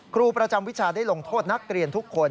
ครูประจำวิชาได้ลงโทษนักเรียนทุกคน